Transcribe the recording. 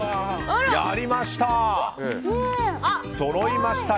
やりました！